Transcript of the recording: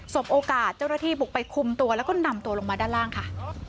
โอกาสเจ้าหน้าที่บุกไปคุมตัวแล้วก็นำตัวลงมาด้านล่างค่ะ